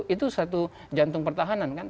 itu satu jantung pertahanan kan